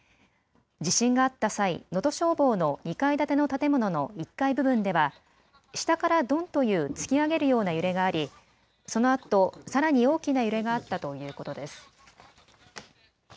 地震があった際、能登消防の２階建ての建物の１階部分では下からドンという突き上げるような揺れがあり、そのあとさらに大きな揺れがあったということです。